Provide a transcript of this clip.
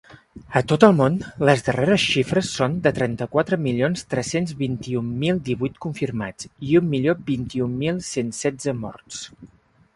A tot el món, les darreres xifres són de trenta-quatre milions tres-cents vint-i-un mil divuit confirmats i un milió vint-i-un mil cent setze morts.